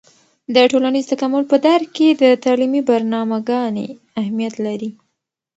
د ټولنیز تکامل په درک کې د تعلیمي برنامه ګانې اهیمت لري.